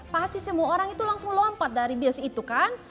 pasti semua orang itu langsung lompat dari bios itu kan